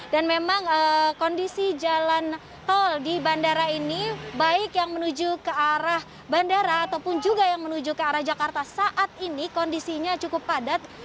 dan memang kondisi jalan tol di bandara ini baik yang menuju ke arah bandara ataupun juga yang menuju ke arah jakarta saat ini kondisinya cukup padat